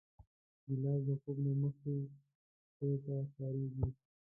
ګیلاس د خوب نه مخکې چای ته کارېږي.